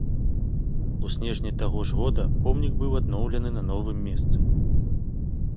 У снежні таго ж года помнік быў адноўлены на новым месцы.